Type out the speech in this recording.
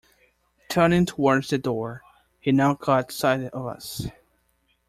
Turning towards the door, he now caught sight of us.